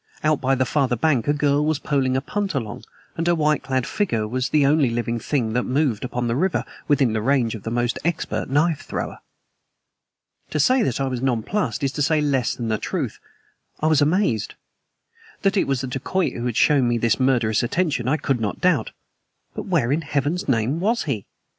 Out by the farther bank a girl was poling a punt along, and her white clad figure was the only living thing that moved upon the river within the range of the most expert knife thrower. To say that I was nonplused is to say less than the truth; I was amazed. That it was the dacoit who had shown me this murderous attention I could not doubt. But where in Heaven's name WAS he?